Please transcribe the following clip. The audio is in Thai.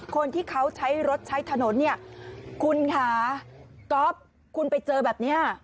คนที่เขาใช้รถใช้ถนนเนี่ยคุณค่ะก๊อฟคุณไปเจอแบบนี้